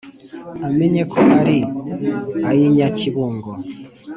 amenye ko ari iy’inyakibungo